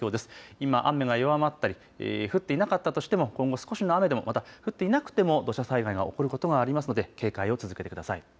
今雨が弱まったり雨が降っていなかったとしても今後少しの雨でまた降っていなくても土砂災害が起こることがありますので警戒を続けてください。